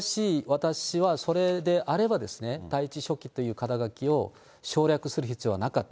しかし私はそれであればですね、第１書記っていう肩書きを省略する必要はなかった。